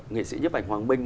nghệ sĩ nhấp ảnh hoàng minh